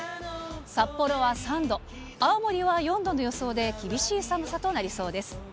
札幌は３度、青森は４度の予想で、厳しい寒さとなりそうです。